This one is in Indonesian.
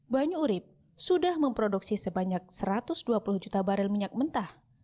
banyu urib sudah memproduksi sebanyak satu ratus dua puluh juta barel minyak mentah